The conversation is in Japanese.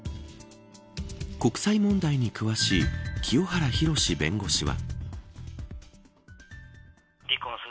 国際問題に詳しい清原博弁護士は。